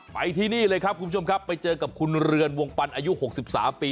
ไปที่นี่เลยครับคุณผู้ชมครับไปเจอกับคุณเรือนวงปันอายุ๖๓ปี